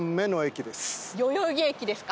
代々木駅ですか。